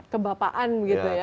kebapaan gitu ya